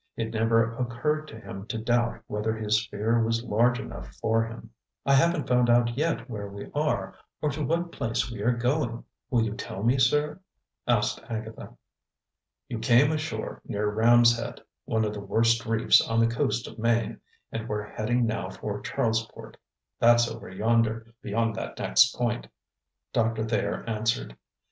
It never occurred to him to doubt whether his sphere was large enough for him. "I haven't found out yet where we are, or to what place we are going. Will you tell me, sir?" asked Agatha. "You came ashore near Ram's Head, one of the worst reefs on the coast of Maine; and we're heading now for Charlesport; that's over yonder, beyond that next point," Doctor Thayer answered.